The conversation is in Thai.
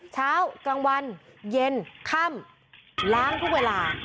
เช้ากลางวันเย็นค่ำล้างทุกเวลา